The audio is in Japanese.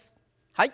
はい。